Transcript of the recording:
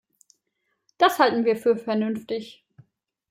Das halten wir für vernünftig.